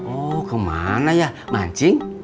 oh kemana ya mancing